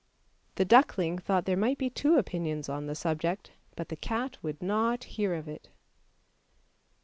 The duckling thought there might be two opinions on the subject, but the cat would not hear of it.